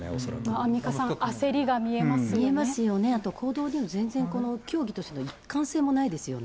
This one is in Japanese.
アンミカさん、焦りが見えま見えますよね、あと、行動にも全然教義としての一貫性もないですよね。